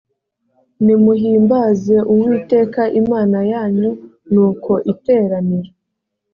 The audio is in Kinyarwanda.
nimuhimbaze uwiteka imana yanyu nuko iteraniro